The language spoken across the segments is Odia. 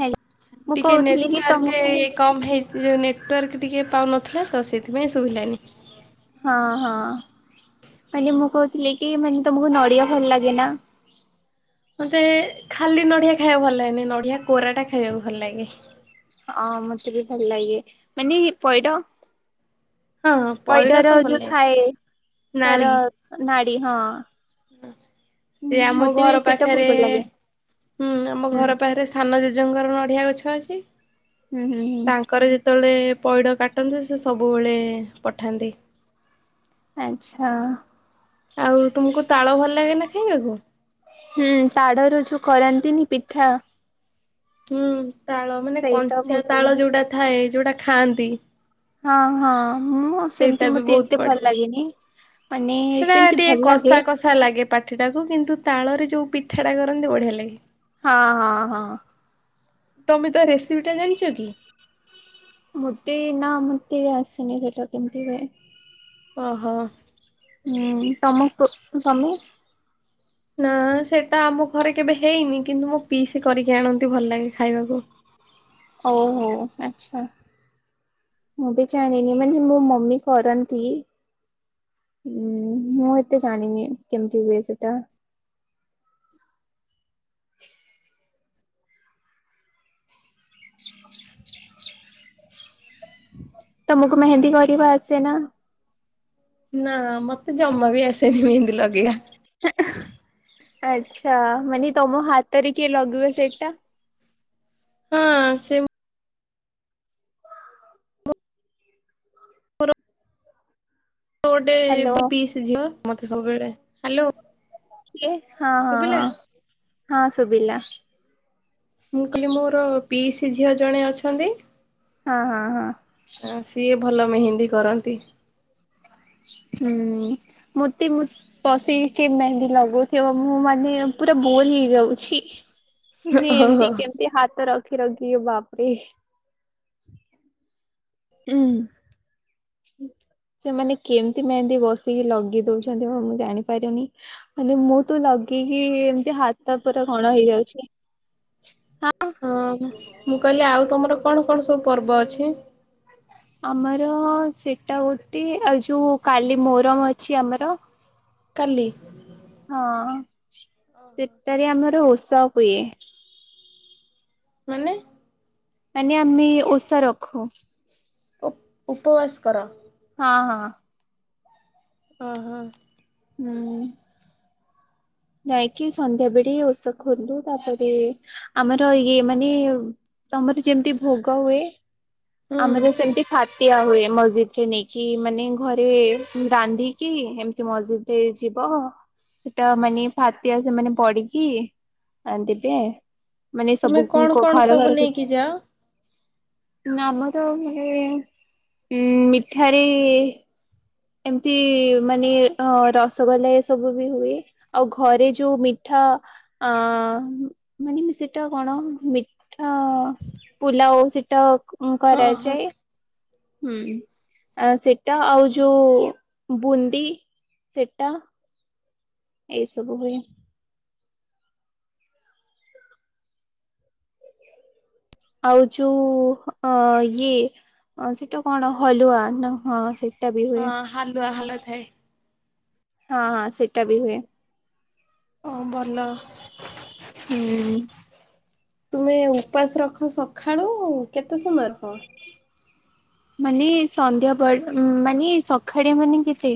ହେଲ ମୁଁ ଟିକେ କହୁଥିଲି କି ନେଟୱାର୍କ ତମକୁ କମ୍ ହେଇ ଯେଉଁ ନେଟୱାର୍କ ଟିକେ ପାଉନଥିଲା ତ ସେଥିପାଇଁ ଶୁଭିଲାନି। ହଁ ହଁ। ମାନେ ମୁଁ କହୁଥିଲି କି -ମାନେ ତମକୁ ନଡିଆ ଭଲ ଲାଗେ ନା? ମତେ ଖାଲି ନଡିଆ ଖାଇବାକୁ ଭଲ ଲାଗେନି, ନଡିଆ କୋରା ଟା ଖାଇବାକୁ ଭଲ ଲାଗେ। ହଁ ମତେ ବି ଭଲ ଲାଗେ, ମାନେ ପଇଡ଼ ହଁ ପଇଡ ତ ପଇଡର ଭଲ ଯୋଉ ଲାଗେ ଥାଏ ତାର ନାଳି ନାଡି, ହଁ [inaudible] ସେ ଆମ ମତେ ବି ଘର ସେଇଟା ପାଖରେ, ବହୁତ ଭଲ ଲାଗେ। ହୁଁ ଆମ ହୁଁ ଘର ପାଖରେ ସାନ ଜଣଙ୍କର ନଡିଆ ଗଛ ଅଛି, ହୁଁ ହୁଁ ହୁଁ ତାଙ୍କର ଯେତେବେଳେ ଯେ ପଇଡ଼ କାଟନ୍ତି ସେ ସବୁବେଳେ ପଠାନ୍ତି। ଆଚ୍ଛା। ଆଉ ତୁମକୁ ତାଳ ଭଲ ଲାଗେ ନା ଖାଇବାକୁ? ହୁଁ ତାଡର ଜୋଉ କରାନ୍ତିନି ପିଠା ହୁଁ ତାଳ ମାନେ ସେଇଟା କଞ୍ଚା ବହୁତ ଭଲ ତାଳ ଲାଗେ। ଯୋଉଟା ଥାଏ ଯୋଉଟା ଖାଆନ୍ତି। ହଁ ହଁ। ମୁଁ ସେଇଟା ସେମିତି ବି ମତେ ବହୁତ ଏତେ ବଢିଆ ଭଲ ଲାଗେନି ମାନେ ସେଟା ସେମିତି ଟିକେ ଭଲ ଲାଗେ କଷା କଷା ଲାଗେ ପାଟିଟାକୁ କିନ୍ତୁ ତାଳରେ ଯେଉଁ ପିଠାଟା କରନ୍ତି ବଢ଼ିଆ ଲାଗେ ହଁ ହଁ ହଁ ତମେ ତ ରେସିପି ଟା ଜାଣିଛ କି? ମୁଦେ ନା ମତେ ଟିକେ ଆସେନି ସେଟା କେମିତି ହୁଏ। ଓ ହୋ। ହୁଁ ତମ ତୁ ତମେ ନା ସେଟା ଆମ ଘରେ କେବେ ହେଇନି, କିନ୍ତୁ ମୁଁ ପିଇସ କରିକି ଆଣନ୍ତି ଭଲ ଲାଗେ ଖାଇବାକୁ। ଓ ହୋ ଆଚ୍ଛା। ମୁଁ ବି ଜାଣିନି ମାନେ ମୋ ମମି କରନ୍ତି। ହୁଁ ମୁଁ ଏତେ ଜାଣିନି କେମିତି ହୁଏ ସେଟା [inaudible] ତମକୁ ମେହେନ୍ଦି କରିବା ଆସେ ନା ନା ନା ମତେ ଜମା ବି ଆସେନି ମେହେନ୍ଦୀ ଲଗେଇବା ଆଚ୍ଛା ମାନେ ତମ ହାତରେ କିଏ ଲଗିବ ସେଇଟା ହଁ ସେ ଗୋଟେ ହ୍ୟାଲୋ ପିସି ଝିଅ ମତେ ସବୁବେଳେ ହ୍ୟାଲୋ ହଁ ହଁ ଶୁଭିଲା? ହଁ ହଁ ସୁବିଲା, ମୁଁ କହିଲି ମୋର ପିଇସି ଝିଅ ଜଣେ ଅଛନ୍ତି। ହଁ ହଁ ହଁ। ଆ ସିଏ ଭଲ ମେହେନ୍ଦୀ କରନ୍ତି। ହୁଁ ମତେ ମୁଁ ବସେଇକି ମେହେନ୍ଦି ଲଗଉଥିବ, ମୁଁ ମାନେ ପୁରା ବୋର ହେଇଯାଉଛି। ମାନେ ଓହୋ ଏମତି କେମତି ହାତ ରଖି ରଖି ବାପରେ ହୁଁ। ସେମାନେ କେମିତି ମେହେନ୍ଦି ବସିକି ଲଗେଇ ଦେଉଛନ୍ତି, ମୁଁ ଜାଣିପାରେନି ମାନେ ମୁଁ ତ ଲଗ ଲଗେଇକି ଏମତି ହାତ ପୁରା କଣ ହେଇଯାଉଛି। ହଁ ମୁଁ କହିଲି ଆଉ ତମର କଣ କଣ ସବୁ ପର୍ବ ଅଛି? ଆମର ସେଟା ଗୋଟେ ଆଉ ଯୋ କାଲି ମୋର ଅଛି ଆମର କାଲି ହଁ ସେଟାରେ ଆମର ଓସା ହୁଏ। ମାନେ ମାନ ଆମେ ଓଷା ରଖୁ। ଉପ ଉପବାସ କର। ହଁ ହଁ। ଓ ହୋ। ହୁଁ। ଯାଇକି ସନ୍ଧ୍ୟା ବେଳେ ଓଷ ଖୋଲୁ ତାପରେ ଆମର ଇଏ ମାନେ ତମର ଯେମିତି ଭୋଗ ହୁଏ, ହୁଁ ଆମର ସେମତି ଫାଟ ଦିଆ ହୁଏ ମସ୍ଜିଦରେ ନେଇକି, ମାନେ ଘରେ ରାନ୍ଧିକି ଏମିତି ମସ୍ଜିଦରେ ଯିଏ। ଓହ ସେଟା ମାନେ ଫତିଆ ସେମାନେ ପଡିକି ଦେବେ ମାନେ ତୁମେ କଣ ସବୁକ-ଙ୍କ କଣ ଘର ସବୁ ଘର ନେଇକି ଯାଅ? ନା ଆମର ମାନେ ଏ - ଉଁ ମିଠାରେ ଏ ଏମତି ମାନେ ଅ ରସଗୋଲା ଏ ସବୁ ବି ହୁଏ ଆଉ ଘରେ ଯୋଉ ମିଠା ଆ-ଅ ମାନେ ସେଟା କଣ ମିଠା ଆ - ଆ ପୁଲାଉ ସେଟା ଉଁ ହଁ ହଁ। କରାଯାଏ। ହୁଁ ଆ ସେଟା ଆଉ ଯୋଉ ବୁନ୍ଦି ସେଟା। ଏଇ ସବୁ ହୁଏ। ଆଉ ଯୋଉ ଅ-ଇଏ। ଅ ସେଟା କଣ ହଲୁଆ ନା ହଁ ସେ ହଁ ହାଲୁଆ [unintelligible] ହଁ ହଁ ସେଇଟା ବି ହୁଏ। ଓ ଭଲ। ହୁଁ। ତୁମେ ଉପାସ ରଖ ସକାଳୁ କେତେ ସମୟ ରଖ। ମାନେ ସନ୍ଧ୍ୟା ବ ମାନେ ସକାଳେ ମାନେ କେତେ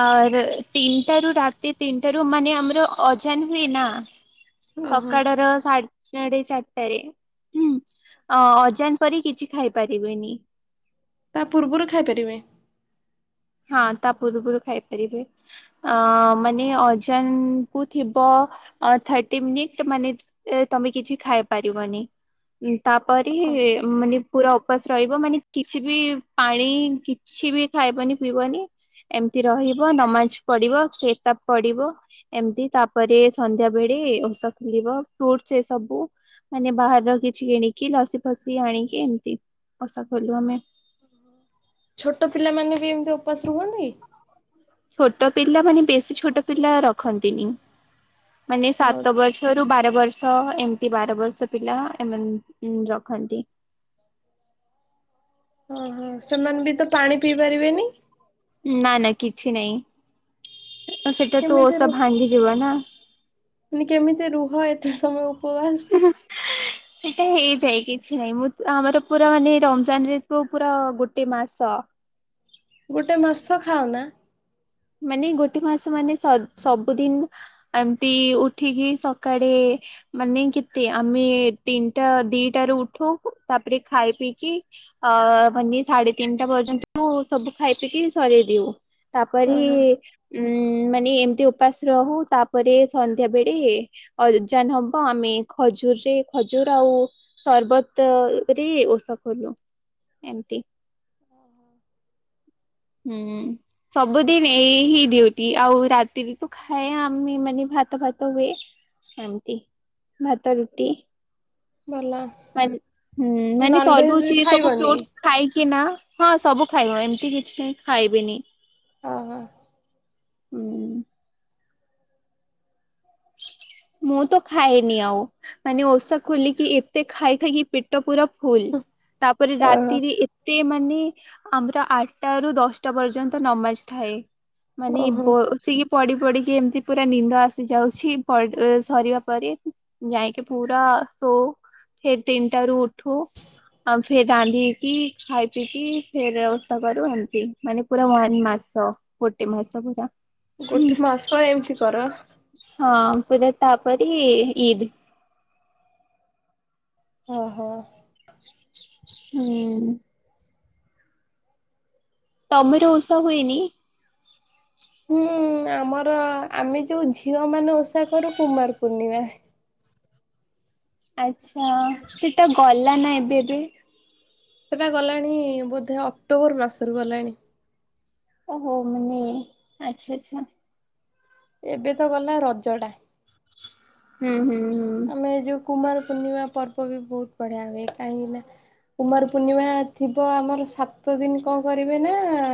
ଆର ତିନ ତିନିଟାରୁ ରାତି ତିନିଟାରୁ ମାନେ ଆମର ଅଜାନ ହୁଏ ନା ଓହୋ। ସକାଳ ର ସା ସାଢେ ଚାରିଟାରେ ହୁଁ ଅଜାନ ପରି କିଛି ଖାଇପାରିବେନି। ତା ପୂର୍ବରୁ ଖାଇପାରିବେ। ହଁ ତା ପୂର୍ବରୁ ଖାଇପାରିବେ ଆ ମାନେ ଅଜାନ୍ କୁ ଥିବ ଅ ଥାର୍ଟୀ ମିନିଟ୍ ମନେ ଏ ତମେ କିଛି ଝାଇପାରିବନି ଉଁ ତାପରେ ଓହୋ। ମାନେ ପୁରା ଉପାସ ରହିବ ମାନେ କିଛି ବି ପାଣି କିଛି ବି ଖାଇବନି ପିଇବନି ଏମତି ରହିବ ନମାଜ ପଢିବ କେତାବ ପଢିବ ଏମତି ତାପରେ ସନ୍ଧ୍ୟା ବେଳେ ଓଷା ଖଲିବ ଫ୍ରୁଟ୍ସ ଏ ସବୁ ମାନେ ବାହାରର କିଛି କିଣିକି ଲସି ଫସି ଆଣିକି ଏମତି ଓଷା ଖୋଲୁ ଆମେ। ଛୋଟ ପିଲାମାନେ ବି ଏମତି ଉପାସ ରୁହନ୍ତି? ଛୋଟ ପିଲା ମାନେ ବେଶୀ ଛୋଟ ପିଲା ରଖନ୍ତିନି। ମାନେ ହଁ ସାତ ବର୍ଷରୁ ବାର ବର୍ ବର୍ଷ ଏମତି ବାର ବର୍ଷ ପିଲା ଏମାନ୍ ଅ ରଖନ୍ତି। [inaudible] ଓହୋ ସେମାନେ ବି ତ ପାଣି ପିଇ ପାରିବେନି? ନା ନା କିଛି ନାଇଁ ସେଟା ତୁ ଓଷା ଭାଙ୍ଗି ଯିବ ନା। ନେ କେମିତି ରୁହ ଏତେ ସମୟ ଉପବାସ୍। ସେଟା ହେଇଯାଏ କିଛି ନହିଁ ମୁଁ ଆମର ପୁରା ମାନେ ରମଜାନରେ ପୁରା ଗୋଟେ ମାସ। [inaudible] ଗୋଟେ ମାସ ଖାଓ ନା? ମାନେ ଗୋଟେ ମାସ ମାନେ ସ-ସବୁଦିନ୍ ଏମତି ଉଠିକି ସକାଳେ ମାନେ କେତେ ଆମେ ତିନିଟା ଦିଟାରୁ ଉଠୁ ତାପରେ ଖାଇ ପିଇକି ଆ ମାନେ ସାଢେ ତିନିଟା ପର୍ଯ୍ୟନ୍ତୁ ସବୁ ଖାଇ ପିକି ସରେଇଦିଉ। ପରି। ଓହୋ ଉଁ ମାନେ ଏମିତି ଉପାସ ରହୁ ତାପରେ ସନ୍ଧ୍ୟା ବେଳେ ଅଜାନ ହବ ଆମେ ଖଜୁର୍ରେ ଖଜୁର୍ ଆଉ ସର୍ବତ ରେ ଓଷା ଖୋଲୁ। ଏମ୍ତି। [inaudible] ହୁଁ ସବୁଦିନ ଏଇ ହି ଡିଉଟି ଆଉ ରାତିରେ ତ ଖାଏ ଆମେ ମାନେ ଭା ଭାତ ଫାତ ହୁଏ ଏମତି ଭାତ ରୁଟି। ଭଲ। ମାନେ ହୁଁ ମାନେ ତରଭୁଜ ନନଭେଜ ଏ ସବୁ ଖାଇବନି ଫ୍ରୁଟ୍ସ ଖାଇ କି ନା ହଁ ସବୁ ଖାଇବ ଏମିତି କିଛି ନାଁ ଖାଇବିନି। ଓ ହୋ। ହୁଁ। ମୁଁ ତ ଖାଏନି ଆଉ ମାନେ ଓଷା ଖୋଲିକି ଏତେ ଖାଇ ଖାଇକି ପେଟ ପୁର ଫୁଲ୍। ତାପରେ ଓହୋ ରାତିରେ ଏତେ ମାନେ। ଆମର ଆଠଟା ରୁ ଦଶଟା ପର୍ଯ୍ୟନ୍ତ ନମାଜ ଥାଏ। ମାନେ ଓହୋ ବସିକି ପଡି ପଡିକି ଏମତି ପୁରା ନିନ୍ଦ ଆସିଯାଉ ଅଛି ସରିବା ପରେ ଯାଇକି ପୁରା ସୋ ଫେର୍ ତିନିଟା ରୁ ଉଠୁ। ଆଉ ଫେ ରାନ୍ଧିକି ଖାଇ ପିଇକି ଫେର ଓଷା କରୁ ଏମତି ମାନେ ପୁରା ୱାନ ମା ମାସ ଗୋଟେ ମାସ ପୁରା। ଗୋଟେ ମାସ ଏମିତି କର। ହଁ ପୁରା ତାପରି ଇଦ୍। ଓ ହୋ। ହୁଁ। ତମର ଓଷା ହୁଏନି? ହୁଁ ଆମର ଆମେ ଯୋଉ ଝିଅ ମାନେ ଓଷା କରୁ କୁମାର ପୂର୍ଣିମା। ଆଛା ସେଟା ଗଲା ନା ଏବେ ଏବେ। ସେଟା ଗଲାଣି-ଇ-ଇ-ଇ ବୋଧେ ଅକ୍ଟୋବର ମାସରୁ ଗଲାଣି। ଓହୋ ମାନେ ଆଚ୍ଛା ଆଛା। ଏବେ ତ ଗଲା ରଜ ଟା। ହୁଁ ହୁଁ। ଆମେ ଏ ଯୋଉ କୁମାର ପୂର୍ଣ୍ଣିମା ପର୍ବ ବି ବହୁତ ବଢିଆ ହୁଏ କାହିଁକିନା କୁମାର ପୂର୍ଣ୍ଣିମା ଥିବ ଆମର ସାତ ଦିନ କଣ କରିବେ ନା-ଆ-ଆ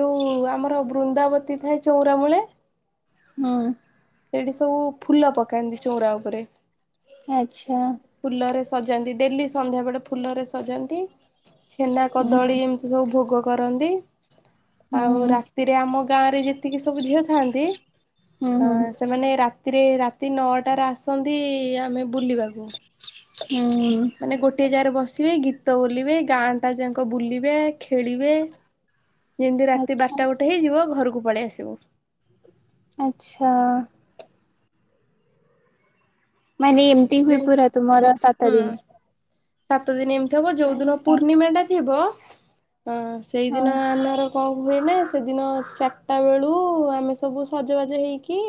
ଯୋଉ ଆମର ବୃନ୍ଦାବତୀ ଥାଏ ଚଉରା ମୂଳେ ହଁ। ସେଇଠି ସବୁ ଫୁଲ ପକାନ୍ତି ଚଉରା ଉପରେ ଆଛା। ଫୁଲରେ ସଜାନ୍ତି ଡେଲି ସଧ୍ୟା ବେଳେ ଫୁଲରେ ସଜାନ୍ତି ଛେନା ହୁଁ କଦଳୀ ଏମତି ସବୁ ଭୋଗ କରନ୍ତି ଆଉ ହୁଁ ରାତିରେ ଆମ ଗାଁ ରେ ଯେତିକି ସବୁ ଝିଅ ଥାନ୍ତି। ହୁଁ ଅ ହୁଁ ସେମାନେ ରାତିରେ ରାତି ନଅଟାରେ ଆସନ୍ତି ଆମେ ବୁଲିବାକୁ ହୁଁ ମାନେ ଗୋଟେ ଜାଗାରେ ବସ ସିବେ, ଗୀତ ବୋଲିବେ, ଗାଁ ଟା ଯକ ବୁଲିବେ, ଖେଳିବେ। ଯେମିତି ରାତି ଆଚ୍ଛା ବାରଟା ଗୋଟେ ହେଇଯିବ ଘରକୁ ପଳେଇ ଆସିବୁ। ଆଚ୍ଛା। ମାନେ ଏମତି ହୁଏ ପୁରା ହୁଁ ତୁମର ସାତ ଦିନ। ସାତ ଦିନ ଏମିତି ହବ। ଯୋଉ ଦିନ ଆଚ୍ଛା ପୂର୍ଣ୍ଣିମା ଟା ଥିବ ହଁ ହଁ ସେଇଦିନ ଆମର କଣ ହୁଏ ନା ସେଦିନ ଚାରିଟା ବେଳୁ-ଉ-ଉ ଆମେ ସବୁ ସଜବାଜ ହେଇକି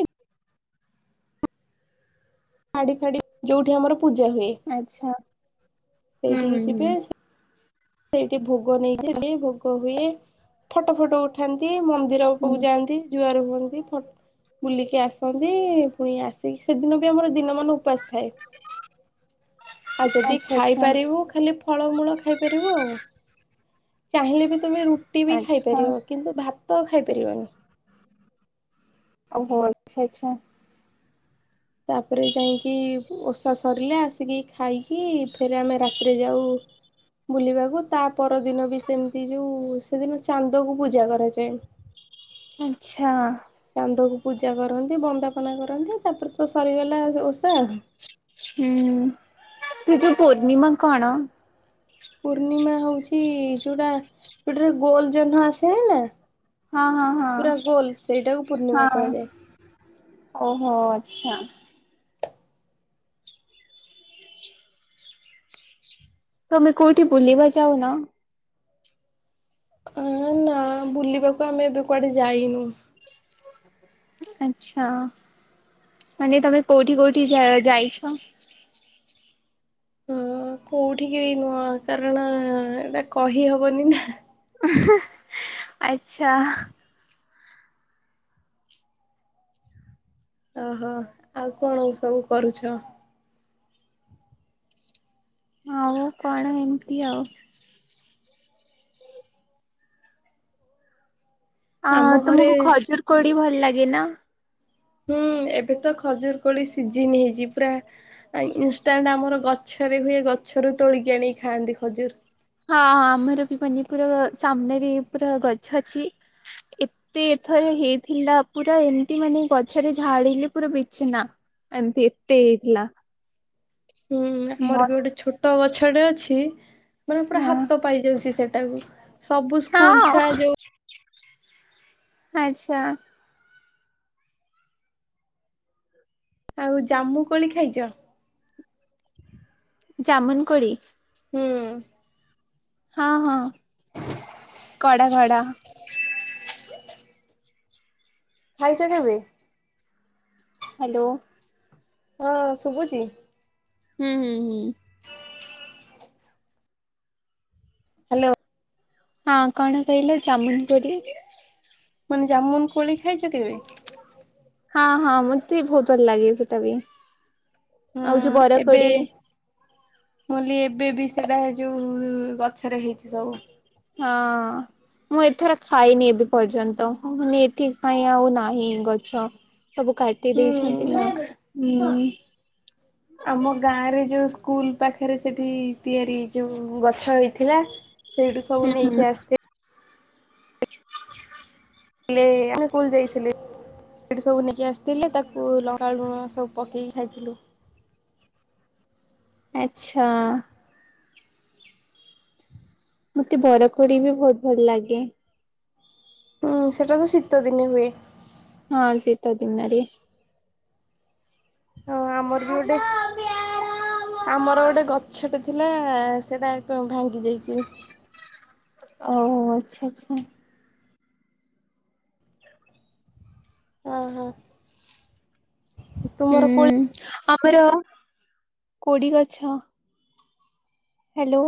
ଫାଡି ଫାଡି ଯୋଉଠି ଆମର ପୂଜା ହୁଏ ଆଚ୍ଛା ହୁଁ ହୁଁ ସେଇଠିକି ଯିବେ ସେଇଠି ଭୋଗ ନେଇଥିଲି ଭୋଗ ହୁଏ ଫଟୋ ଫଟୋ ଉଠାନ୍ତି ମନ୍ଦି ମନ୍ଦିର ହୁଁ ପାକୁ ହୁଁ ଯାଆନ୍ତି ଜୁଆର ହୁଅନ୍ତି। ଟ ବୁଲିକି ଆସନ୍ତି ପୁଣି ଆସିକି ସେଦିନ ବି ଆମର ଦିନ ମାନ ଉପାସ ଥାଏ। ଆଉ ଯଦି ଆଚ୍ଛା ଆଚ୍ଛା ଖାଇପାରିବୁ ଖାଲି ଫଳମୂଳ ଖାଇପାରିବୁ ଆଉ। ଚାହିଁଲେ ବି ତୁମେ ରୁଟି ବି ଆଚ୍ଛା ଖାଇପାରିବ କିନ୍ତୁ ଭାତ ତ ଖାଇପାରିବନି। ଓହୋ ଆଛା ଆଚ୍ଛା। ତାପରେ ଯାଇକି ଓଷା ସରିଲେ ଆସିକି ଖାଇକି ଫେରେ ଆମେ ରାତିରେ ଯାଉ ବୁଲିବାକୁ ତା ପର ଦିନ ବି ସେମିତି ଯୋଉ ସେଦିନ ଚାନ୍ଦକୁ ପୂଜା କରାଯାଏ। ଆଛା। ଚାନ୍ଦ କୁ ପୂଜା କରନ୍ତି ବନ୍ଦାପନା କରନ୍ତି ତାପରେ ତ ସରିଗଲା ଓଷା। ହୁଁ କିନ୍ତୁ ପୂର୍ଣ୍ଣିମା କଣ? ଟି ଯୋଉଟା ଯୋଉଟା ଗୋଲ ଜହ୍ନ ଆସେ ହେଲା ହଁ ହଁ ହଁ ପୂର୍ଣ୍ଣିମା ହଁ କୁହାଯାଏ। ଓହୋ ଆଚ୍ଛା। ତମେ କୋଉଠି ବୁଲିବା ଯାଉନ? ଅ ନା ବୁଲିବାକୁ ଆମେ ଏବେ କୁଆଡେ ଯାଇନୁ। ଆଚ୍ଛା ମାନେ ତମେ କଉଠି କଉଠି ଯାଇଛ? ହଁ କୋଉଠିକ ବି ନୁହ କାରଣ ଏଇଟା କହି ହବନି ନା। ଆଚ୍ଛା। ଓହୋ ଆଉ କଣ ସବୁ କରୁଛ? ଆଉ କଣ ଏମିତି ଆଉ ଅ ଆମ ଘରେ ତମକୁ ଖଜୁର କୋଳି ଭଲ ଲାଗେ ନା? ହୁଁ ଏବେ ତ ଖଜୁର କୋଳି ସିଜିିନ ହେଇଛି ପୁରା ଇନଷ୍ଟାଣ୍ଟ ଆମର ଗଛ ଥରେ ହେଲେ ଗଛରୁ ତୋଳିକି ଆଣିକି ଖାଆନ୍ତି ଖଜୁର ହଁ ଆମର ବି ମାନେପୁର ସାମ୍ନାରେ ପୁରା ଗଛ ଅଛି ଏତେ ଥରେ ହେଇଥିଲା ପୁରା ଏମତି ମାନେ ଗଛରେ ଝାଡିଲେ ପୁରା ବିଛିନ୍ନ ଅନ୍ତି ଏତେ ହେଇଥିଲା। ହୁଁ ଆମର ବି ମସ୍ତ ଗୋଟେ ଛୋଟ ଗଛଟେ ଅଛି ମାନେ ପୁରା ହଁ ହାତ ପାଇ ଯାଉଛି ସେଟାକୁ। ସବୁ ସ୍କୁଲ ଛୁଆ ହଁ ଯଉ ଆଚ୍ଛା ଆଉ ଜାମୁ କୋଳି ଖାଇଛ? ଯାମୁନ କୋଳି ହୁଁ। ହଁ ହଁ କଡା ଧଡ଼ା ଖାଇଚ କେବେ? ହାଲୋ। ହଁ ଶୁଭୁଛି। ହୁଁ ହୁଁ ହୁଁ। [unintelligible] ହ୍ୟାଲୋ। ହଁ କଣ କହିଲ ଜାମୁ କୋଳି। ମାନେ ଯାମୁ କୋଳି ଖାଇଛ କେବେ? ହଁ ହଁ ମୋତେ ବହୁତ ଭଲ ଲାଗେ ସେଟା ବି ଆଉ ଯୋଉ ବରକୋଳି। ବୋଇଲି ଏବେ ବି ସେଟା ଯୋଉ ଗଛରେ ହେଇଛି ସବୁ। ହଁ। ମୁଁ ଏଥର ଖାଇନି ଏବେ ପର୍ଯ୍ୟନ୍ତ ହଁ ମାନେ ଏଥିପାଇଁ ଆଉ ନାହିଁ ଗଛ। ସବୁ କାଟି ଦେଇଛନ୍ତି ନା ହୁଁ। ହୁଁ। ଆମ ଗାଁରେ ଯୋଉ ସ୍କୁଲ ପାଖରେ ସେଠି ତିଆରି ଯେଉଁ ଗଛ ହେଉଛି। ଥିଲା ସେଇଠୁ ସବୁ ହୁଁ ହୁଁ ନେଇକି ଆସିଥିଲେ। [unintelligible] ହେଲେ ଆମେ ସ୍କୁଲ ଯାଇଥିଲୁ। ସେଠି ସବୁ ନେଇକି ଆସିଥିଲେ ତାକୁ ଲଙ୍କାଲୁଣ ସବୁ ପକେଇକି ଖାଇଥିଲୁ। ଆଚ୍ଛା। ମୋତେ ବରକୋଳି ବି ବହୁତ ଭଲ ଲାଗେ। ହୁଁ ସେଟା ତ ଶୀତ ଦିନେ ହୁଏ। ହଁ ଶୀତ ଦିନରେ। ହଁ ଆମର ବି ଗୋଟେ। ଆମର ଗୋଟେ ଗଛଟେ ଥିଲା ସେଟା ଭାଙ୍ଗି ଯାଇଛି। ଓ ହଉ ହଉ ଆଚ୍ଛା ଆଚ୍ଛା। ଓ ହଁ। ତୁମର କୋଳି ହୁଁ ଆମର କୋଡି ଗଛ ହ୍ୟାଲୋ